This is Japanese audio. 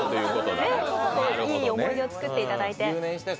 いい思い出を作っていただいて。